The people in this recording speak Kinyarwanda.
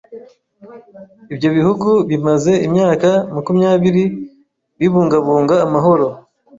Ibyo bihugu bimaze imyaka makumyabiri bibungabunga amahoro.